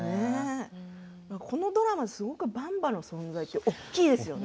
このドラマ、すごくばんばの存在大きいですよね。